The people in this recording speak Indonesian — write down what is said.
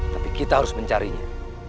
tapi kita harus mencarinya